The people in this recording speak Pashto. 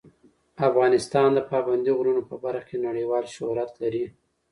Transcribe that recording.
افغانستان د پابندي غرونو په برخه کې نړیوال شهرت لري.